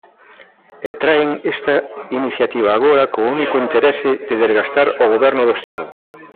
E traen esta iniciativa agora co único interese de desgastar o Goberno do Estado.